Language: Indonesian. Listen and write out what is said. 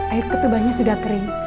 air ketubahnya sudah kering